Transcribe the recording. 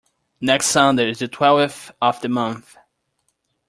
Next Sunday is the twelfth of the month.